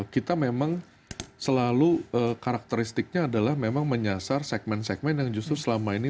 kita memang selalu karakteristiknya adalah memang menyasar segmen segmen yang justru selama ini